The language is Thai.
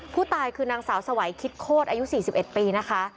ผู้ตายคือนางสาวสวัยคิดโคตรอายุ๔๑ปีนะคะ